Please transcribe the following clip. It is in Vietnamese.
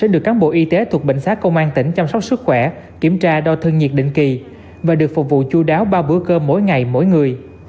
được phục vụ chú đáo ba bữa cơm mỗi ngày mỗi người